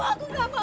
aku gak mau